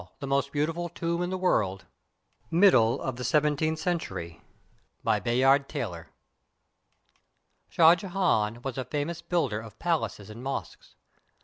THE :M0ST BEAUTIFUL TOMB IN THE WORLD [Middle of seventeenth centur> ] BY BAYARD TAYLOR [Shah Jehan was a famous builder of palaces and mosques.